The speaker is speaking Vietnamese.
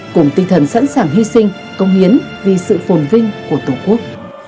cùng tinh thần sẵn sàng hy sinh công hiến vì sự phồn vinh của tổ quốc